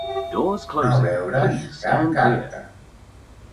No veure's cap carta.